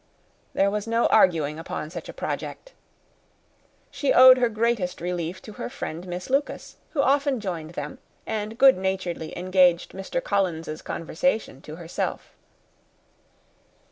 There was no arguing upon such a project. She owed her greatest relief to her friend Miss Lucas, who often joined them, and good naturedly engaged Mr. Collins's conversation to herself.